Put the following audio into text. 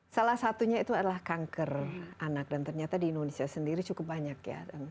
salah satunya itu adalah kanker anak dan ternyata di indonesia sendiri cukup banyak ya